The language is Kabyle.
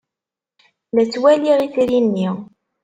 La ttwaliɣ itri-nni.